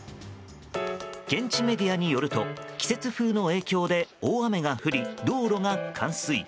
現地メディアによると季節風の影響で大雨が降り、道路が冠水。